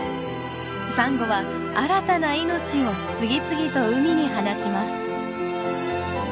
サンゴは新たな命を次々と海に放ちます。